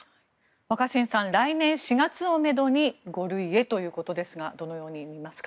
若新さん来年４月をめどに５類へということですがどのように見ますか？